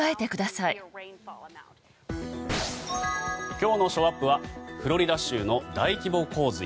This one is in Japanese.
今日のショーアップはフロリダ州の大規模洪水。